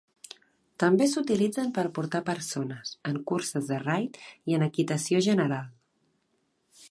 També s'utilitzen per portar persones, en curses de raid i en equitació general.